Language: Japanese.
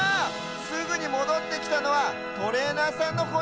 すぐにもどってきたのはトレーナーさんのホイッスル。